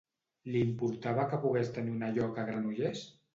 Li importava que pogués tenir una lloca a Granollers?